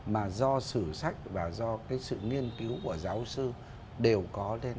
mà do sử sách và do cái sự nghiên cứu của giáo sư đều có lên